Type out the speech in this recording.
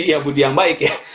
ya budi yang baik ya